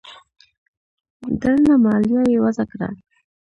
درنه مالیه یې وضعه کړه